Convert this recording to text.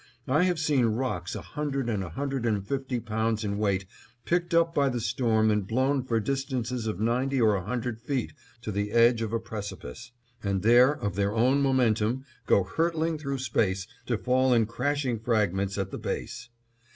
I have seen rocks a hundred and a hundred and fifty pounds in weight picked up by the storm and blown for distances of ninety or a hundred feet to the edge of a precipice, and there of their own momentum go hurtling through space to fall in crashing fragments at the base.